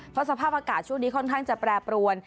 เพราะสภาพอากาศช่วงนี้ค่อนข้างจะแปรปรวน